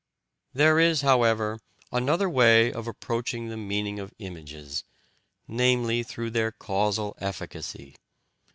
There is, however, another way of approaching the meaning of images, namely through their causal efficacy.